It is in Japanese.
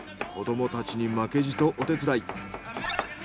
子どもたちに負けじとお手伝い。